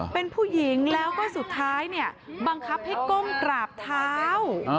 เป็นผู้หญิงแล้วก็สุดท้ายเนี่ยบังคับให้ก้มกราบเท้า